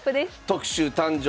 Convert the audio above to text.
特集「誕生！